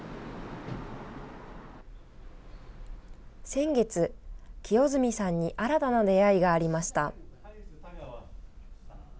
先月、清積さんに新たな出会いがありました。